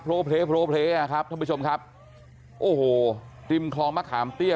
เพลโพลเพลอ่ะครับท่านผู้ชมครับโอ้โหริมคลองมะขามเตี้ย